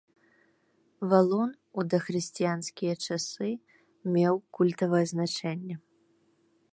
Валун у дахрысціянскія часы меў культавае значэнне.